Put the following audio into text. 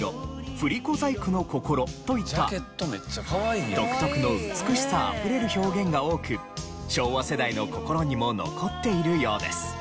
「ふりこ細工の心」といった独特の美しさあふれる表現が多く昭和世代の心にも残っているようです。